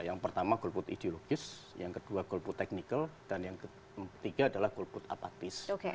yang pertama goal put ideologis yang kedua goal put teknikal dan yang ketiga adalah goal put apatis